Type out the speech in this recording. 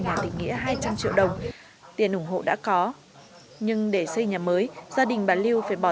nhà tỉnh nghĩa hai trăm linh triệu đồng tiền ủng hộ đã có nhưng để xây nhà mới gia đình bà lưu phải bỏ